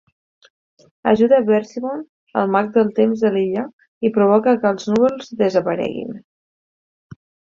Ajuda Bersimon, el mag del temps de l'illa, i provoca que els núvols desapareguin.